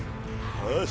よし